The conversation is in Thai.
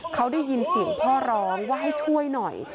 เขาได้ยินเสียงพ่อร้องว่าให้ช่วยหน่อย